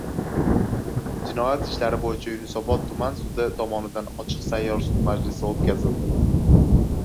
Jinoyat ishlari bo‘yicha Yunusobod tuman sudi tomonidan ochiq sayyor sud majlisi o‘tkazildi